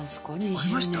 ありました？